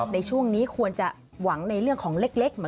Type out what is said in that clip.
ในช่วงนี้ควรจะหวังในเรื่องของเล็ก